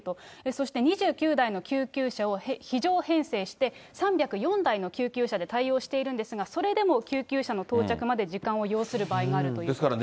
そして２９台の救急車を非常編成して、３０４台の救急車で対応しているんですが、それでも救急車の到着まで時間を要する場合があるということで。